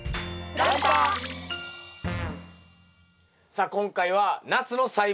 さあ今回はナスの栽培。